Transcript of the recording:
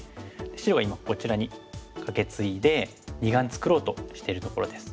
白が今こちらにカケツイで二眼作ろうとしてるところです。